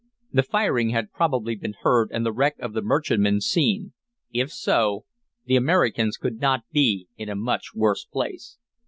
The firing had probably been heard and the wreck of the merchantman seen. If so, the Americans could not be in a much worse place.